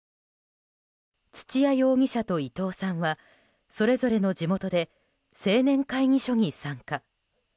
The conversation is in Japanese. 土屋容疑者と伊藤さんはそれぞれの地元で青年会議所に参加。